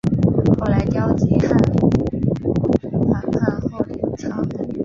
后来刁吉罕反叛后黎朝。